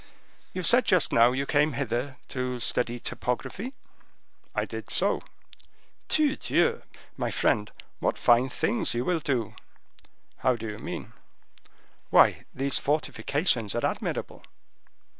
"You said just now you came hither to study topography?" "I did so." "Tudieu! my friend, what fine things you will do!" "How do you mean?" "Why, these fortifications are admirable."